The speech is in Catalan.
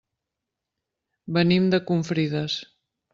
Venim de Confrides.